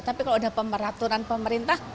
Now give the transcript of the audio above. tapi kalau udah pemeraturan pemerintah